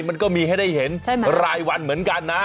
มันก็มีให้ได้เห็นรายวันเหมือนกันนะ